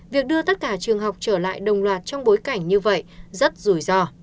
việc đưa tất cả trường học trở lại đồng loạt trong bối cảnh như vậy rất rủi ro